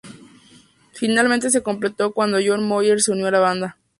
Finalmente se completó cuando John Moyer se unió a la banda.